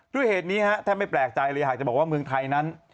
ด้วยเหตุนี้แทบไม่แปลกใจเลยหากจะบอกว่าเมืองไทยนั้น